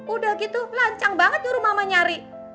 udah gitu lancang banget nyuruh mama nyari